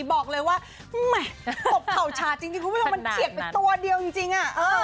บอกเลยว่ามันกบเผาชาจริงคุณผู้ชมมันเฉียดไปตัวเดียวจริงอะ